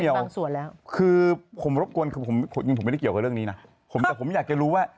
นี่ขนาดโรงพยาบาลมัน